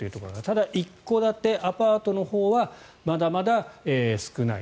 ただ、一戸建て、アパートはまだまだ少ない。